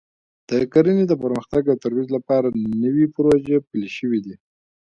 د کرنې د پرمختګ او ترویج لپاره نوې پروژې پلې شوې دي